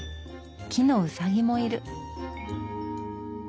木のウサギもいる。